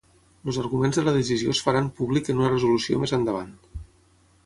Els arguments de la decisió és faran públic en una resolució més endavant.